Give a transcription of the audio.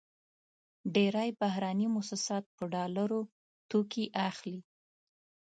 ډېری بهرني موسسات په ډالرو توکې اخلي.